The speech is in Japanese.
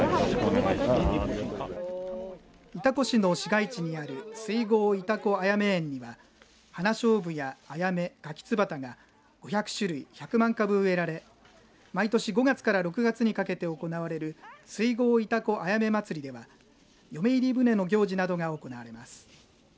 潮来市の市街地にある水郷潮来あやめ園には花しょうぶやあやめかきつばたが５００種類１００万株が植えられ毎年５月から６月にかけて行われる水郷潮来あやめまつりでは嫁入り舟の行事が行われます。